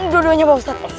dua duanya bapak ustad